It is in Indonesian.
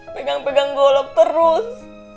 pegang pegang golok terus